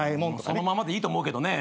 そのままでいいと思うけどね。